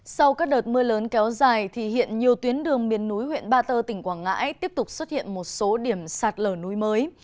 sau các đợt mưa lớn kéo dài thì hiện nhiều tuyến đường miền núi huyện ba tơ tỉnh quảng ngãi tiếp tục xuất hiện một số điểm sạt lở núi mới